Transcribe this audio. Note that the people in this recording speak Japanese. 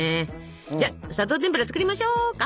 じゃあ砂糖てんぷら作りましょうか。